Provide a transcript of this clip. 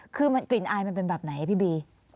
คือกลิ่นอายมันเป็นแบบไหนพี่บี